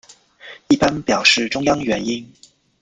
一般表示中央元音。